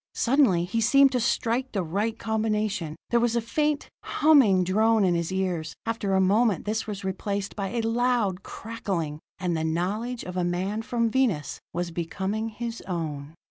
Suddenly he seemed to strike the right combination. There was a faint, humming drone in his ears; after a moment this was replaced by a loud crackling and the knowledge of the man from Venus was becoming his own.